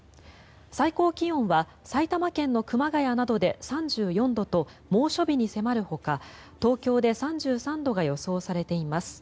最高気温は埼玉県の熊谷などで３４度と猛暑日に迫るほか東京で３３度が予想されています。